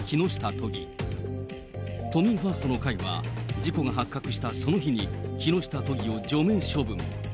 都民ファーストの会は、事故が発覚したその日に、木下都議を除名処分。